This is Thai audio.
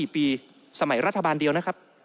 ๔ปีสมัยรัฐบาลเดียวนะครับ